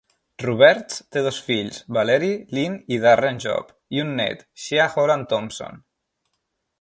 Roberts té dos fills, Valerie Lynne i Darren Job, i un net, Shea Holland Thompson.